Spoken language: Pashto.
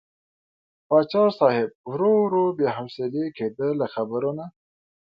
پاچا صاحب ورو ورو بې حوصلې کېده له خبرو نه.